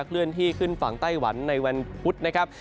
เลื่อนที่ขึ้นฝั่งไต้หวันในวันพุธนะครับ